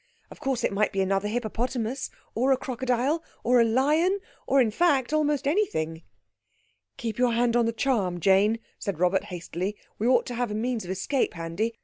Of course it might be another hippopotamus, or a crocodile, or a lion—or, in fact, almost anything. "Keep your hand on the charm, Jane," said Robert hastily. "We ought to have a means of escape handy.